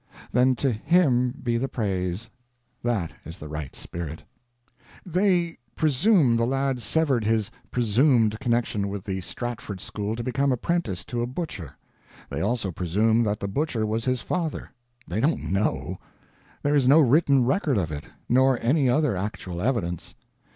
Then to Him be the praise. That is the right spirit. They "presume" the lad severed his "presumed" connection with the Stratford school to become apprentice to a butcher. They also "presume" that the butcher was his father. They don't know. There is no written record of it, nor any other actual evidence.